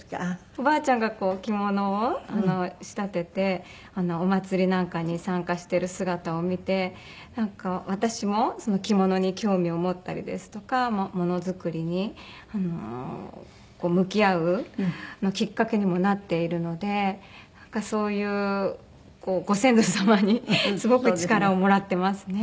おばあちゃんが着物を仕立ててお祭りなんかに参加してる姿を見てなんか私も着物に興味を持ったりですとかものづくりに向き合うきっかけにもなっているのでなんかそういうご先祖様にすごく力をもらってますね。